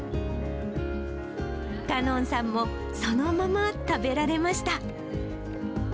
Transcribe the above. かのんさんもそのまま食べられました。